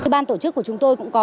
ban tổ chức của chúng tôi cũng có